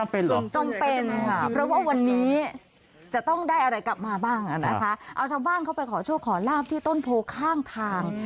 จำเป็นค่ะเพราะว่าวันนี้จะต้องได้อะไรกลับมาบ้างนะคะเอาชาวบ้านเข้าไปขอโชคขอลาบที่ต้นโพข้างทาง